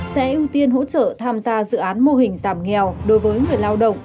sẽ ưu tiên hỗ trợ tham gia dự án mô hình giảm nghèo đối với người lao động